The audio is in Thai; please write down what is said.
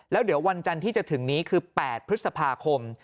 แล้วเดี๋ยววันจันทร์ที่จะถึงนี้คือ๘พฤษภาคม